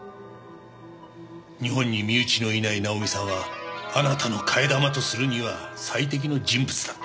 日本に身内のいないナオミさんはあなたの替え玉とするには最適の人物だった。